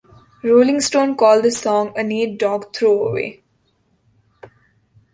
Rolling Stone called this song a Nate Dogg throwaway.